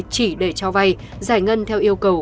chỉ để cho vay giải ngân theo yêu cầu